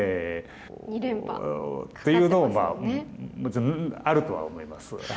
２連覇。っていうのもあるとは思います。